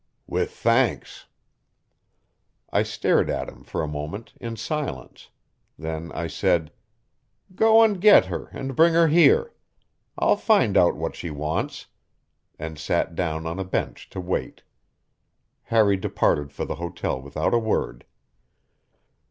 "With thanks." I stared at him for a moment in silence. Then I said: "Go and get her and bring her here. I'll find out what she wants," and sat down on a bench to wait. Harry departed for the hotel without a word.